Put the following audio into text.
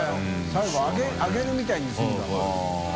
埜揚げるみたいにするんだ。